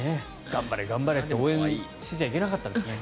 頑張れ、頑張れって応援しちゃいけなかったんですね。